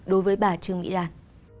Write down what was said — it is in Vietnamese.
đối với bà trương mỹ lan